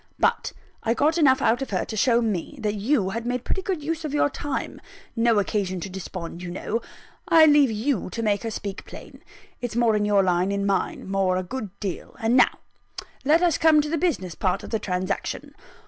But I got enough out of her to show me that you had made pretty good use of your time no occasion to despond, you know I leave you to make her speak plain; it's more in your line than mine, more a good deal. And now let us come to the business part of the transaction.